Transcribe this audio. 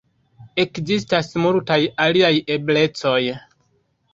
Ekzistas multaj aliaj eblecoj.